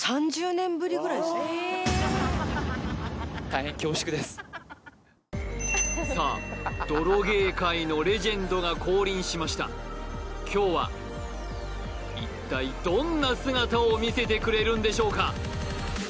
大変恐縮ですさあ泥芸界のレジェンドが降臨しました今日は一体どんな姿を見せてくれるんでしょうか